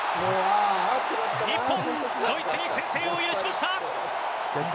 日本ドイツに先制を許しました。